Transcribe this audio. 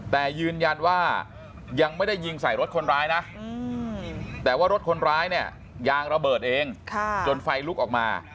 แต่ยืนยันว่ายังไม่ได้ยิงใส่รถคนร้ายนะแต่ว่ารถคนร้ายเนี่ยยางระเบิดเองจนไฟลุกออกมา